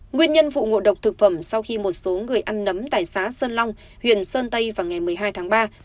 nguyên nhân vụ ngộ độc thực phẩm sau khi một số người ăn nấm tại xã sơn long huyện sơn tây vào ngày một mươi hai tháng ba